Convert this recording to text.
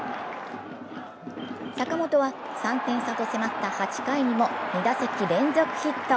坂本は３点差と迫った８回にも２打席連続ヒット。